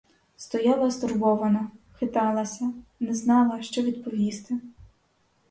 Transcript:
Стояла стурбована — хиталася, не знала, що відповісти.